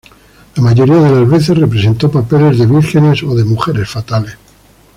La mayoría de las veces representó papeles de vírgenes o de mujeres fatales.